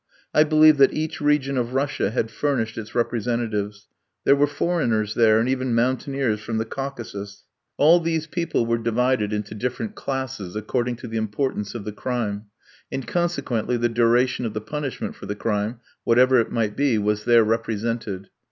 I believe that each region of Russia had furnished its representatives. There were foreigners there, and even mountaineers from the Caucasus. All these people were divided into different classes, according to the importance of the crime; and consequently the duration of the punishment for the crime, whatever it might be, was there represented.